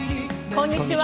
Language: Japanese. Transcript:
こんにちは。